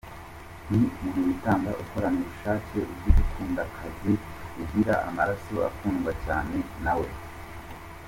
Ni umuntu witanga, ukorana ubushake, uzi gukunda kandi ugira amaraso akundwa cyane nawe.